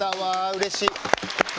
うれしい！